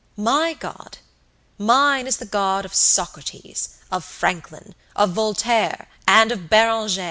My God! Mine is the God of Socrates, of Franklin, of Voltaire, and of Beranger!